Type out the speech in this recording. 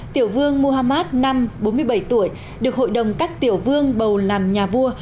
tiểu vương muhammad v bốn mươi bảy tuổi được hội đồng các tiểu vương bầu làm nhà vua